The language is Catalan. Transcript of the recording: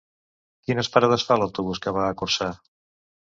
Quines parades fa l'autobús que va a Corçà?